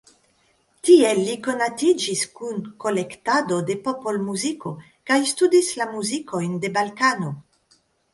Tiel li konatiĝis kun kolektado de popolmuziko kaj studis la muzikojn de Balkano.